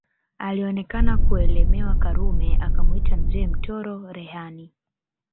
Alionekana kuelemewa Karume akamwita Mzee Mtoro Rehani